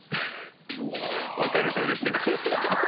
分かるとうれしいこれ。